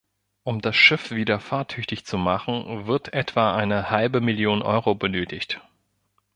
Um das Schiff wieder fahrtüchtig zu machen, wird etwa eine halbe Million Euro benötigt.